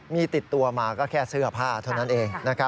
มีติดตัวมาก็แค่เสื้อผ้าเท่านั้นเอง